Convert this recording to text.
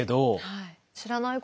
はい。